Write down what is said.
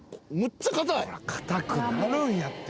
硬くなるんやって。